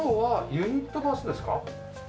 ユニットバスです。